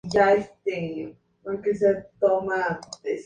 Su buen papel le vale para fichar por New Sensations.